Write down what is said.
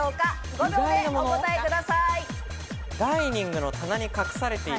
５秒でお答えください。